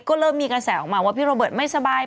ก็เริ่มมีกระแสออกมาว่าพี่โรเบิร์ตไม่สบาย